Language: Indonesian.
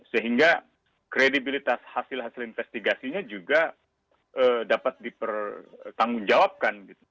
sehingga kredibilitas hasil hasil investigasinya juga dapat dipertanggungjawabkan gitu